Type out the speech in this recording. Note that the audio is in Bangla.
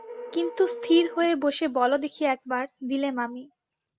কিন্তু স্থির হয়ে বসে বলো দেখি একবার–দিলেম আমি।